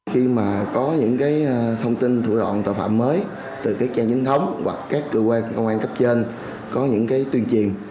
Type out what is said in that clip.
khi mà có những thông tin thủ đoạn tội phạm mới từ các trang chính thống hoặc các cơ quan công an cấp trên có những tuyên truyền